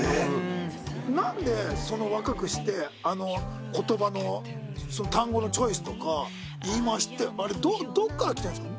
なんでその若くしてあの言葉の単語のチョイスとか言い回しってあれどこからきてるんですか？